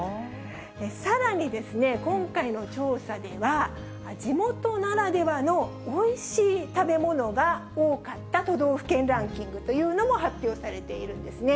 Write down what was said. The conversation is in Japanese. さらにですね、今回の調査では、地元ならではのおいしい食べ物が多かった都道府県ランキングというのも発表されているんですね。